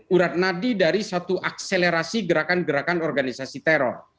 urat nadi dari satu akselerasi gerakan gerakan organisasi teror